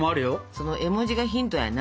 その絵文字がヒントやな。